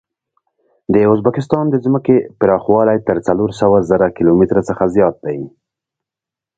د ازبکستان د ځمکې پراخوالی تر څلور سوه زره کیلو متره څخه زیات دی.